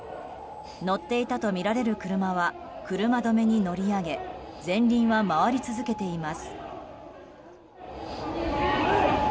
乗っていたとみられる車は車止めに乗り上げ前輪は回り続けています。